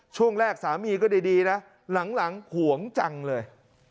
ช่วงแรกสามีก็ดีนะหลังห่วงจังเลย